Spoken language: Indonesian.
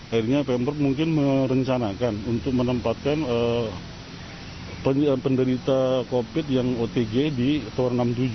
akhirnya pemper mungkin merencanakan untuk menempatkan penderita covid sembilan belas yang otg di tower enam dan tujuh